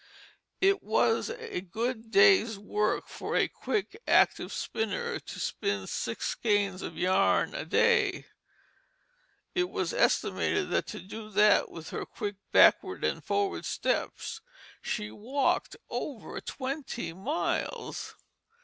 It was a good day's work for a quick, active spinner to spin six skeins of yarn a day. It was estimated that to do that with her quick backward and forward steps she walked over twenty miles.